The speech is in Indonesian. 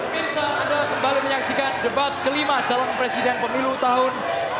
pemirsa anda kembali menyaksikan debat kelima calon presiden pemilu tahun dua ribu sembilan belas